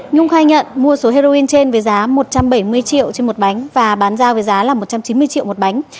nhung khai nhận mua số heroin trên với giá một trăm bảy mươi triệu trên một bánh và bán giao với giá là một trăm chín mươi triệu một bánh